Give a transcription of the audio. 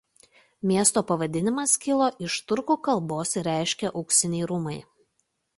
Miesto pavadinimas kilo iš turkų kalbos ir reiškia „Auksiniai rūmai“.